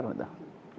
itu yang penting